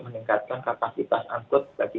meningkatkan kapasitas angkut bagi